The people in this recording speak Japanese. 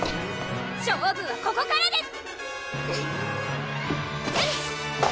勝負はここからです！